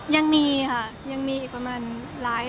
ยังมีค่ะยังมีอีกประมาณไลฟ์